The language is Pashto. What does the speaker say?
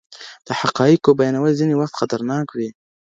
د حقایقو بیانول ځیني وخت خطرناک وي.